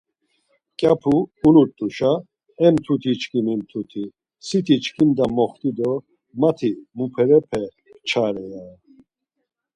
Mǩyapu ulutuşa, E mtuti çkimi mtuti siti çkimda moxti do mati muperepe kçare ya.